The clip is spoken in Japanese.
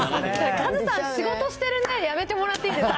カズさん、仕事してるねやめてもらっていいですか。